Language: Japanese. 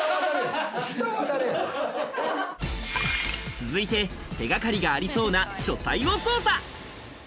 続いて、手掛かりがありそうな書斎を捜査。